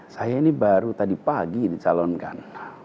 saya ini baru tadi pagi dicalonkan